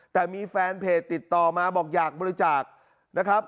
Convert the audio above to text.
แต่มีแฟนเพจติดต่อมาบอกอยากบริจาคนะครับ